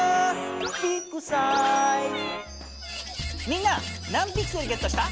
みんな何ピクセルゲットした？